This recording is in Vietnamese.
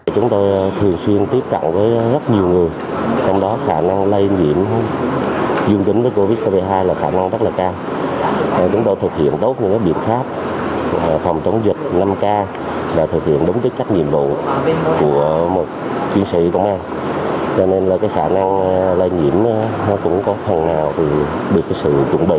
trong đợt này bệnh viện sẽ tiêm toàn bộ mũi một cho cán bộ chiến sĩ công an các đơn vị trên địa bàn thành phố đà nẵng